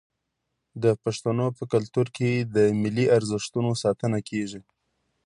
د پښتنو په کلتور کې د ملي ارزښتونو ساتنه کیږي.